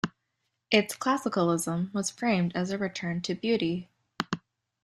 Its Classicism was framed as a return to beauty.